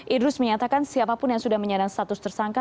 idrus menyatakan siapapun yang sudah menyadang status tersangka